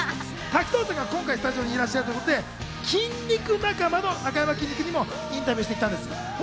滝藤さんが今回スタジオにいらっしゃるということで、筋肉仲間のなかやまきんに君にもインタビューしてきたんです。